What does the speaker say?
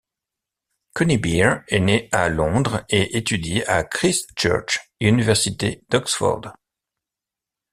Conybeare est né à Londres et étudie à Christ Church, université d'Oxford.